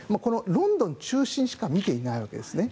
ロンドン中心しか見ていないわけですね。